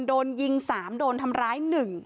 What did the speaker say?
โดนยิง๓โดนทำร้าย๑